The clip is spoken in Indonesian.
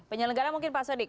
penyelenggara mungkin pak sodik